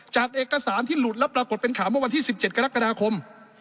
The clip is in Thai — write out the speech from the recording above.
จากเอกสารที่หลุดแล้วปรากฏเป็นข่าวเมื่อวันที่๑๗กรกฎาคม